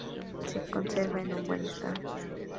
Se conserva en buen estado.